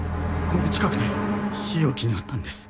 この近くで日置に会ったんです。